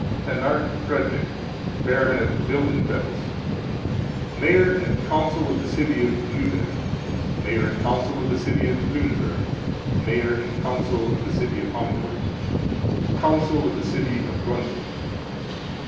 Anarc Frederick, Baron of Wildenfels. Mayor and Council of the City of Luebeck. Mayor and Council of the City of Lueneburg. Mayor and Council of the City of Hamburg. Council of the City of Brunswick.